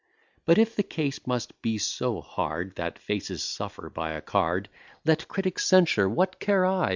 But, if the case must be so hard, That faces suffer by a card, Let critics censure, what care I?